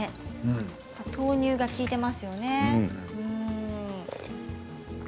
豆乳が利いてますよね。